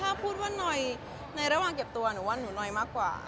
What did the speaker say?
ถ้าพูดว่าหน่อยในระหว่างเก็บตัวหนูว่าหนูน้อยมากกว่า